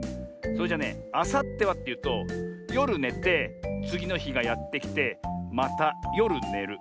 それじゃねあさってはっていうとよるねてつぎのひがやってきてまたよるねる。